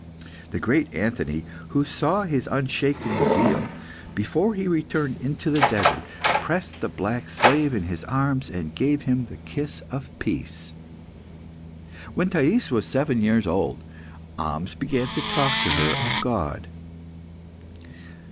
The great Anthony, who saw his unshaken zeal, before he returned into the desert, pressed the black slave in his arms, and gave him the kiss of peace. When Thais was seven years old, Ahmes began to talk to her of God.